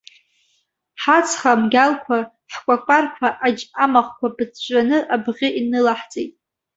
Ҳацха мгьалқәа, ҳкәакәарқәа аџь амахәқәа ԥыҵәҵәаны абӷьы инылаҳҵеит.